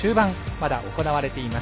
まだ行われています。